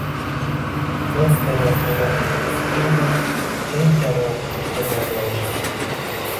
“Men terrorchi emasman” filmi keng jamoatchilikka namoyish etildi